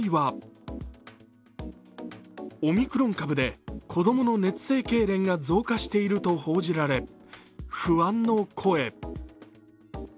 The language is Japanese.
オミクロン株で子供の熱性けいれんが増加していると報じられ、不安の声。